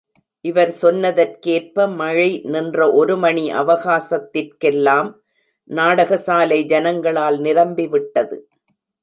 இவர் சொன்னதற்கேற்ப, மழை நின்ற ஒரு மணி அவகாசத்திற்கெல்லாம், நாகடசாலை ஜனங்களால் நிரம்பிவிட்டது!